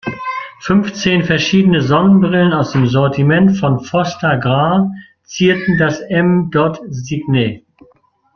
Fünfzehn verschiedene Sonnenbrillen aus dem Sortiment von "Foster Grant" zierten das M-Dot-Signet.